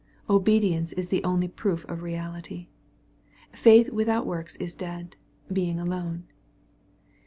Obedience is the only proof of reality. Faith without works is dead, being alone.